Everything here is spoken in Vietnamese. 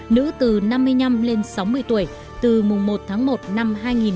nữ từ năm mươi năm lên sáu mươi tuổi từ mùng một tháng một năm hai nghìn hai mươi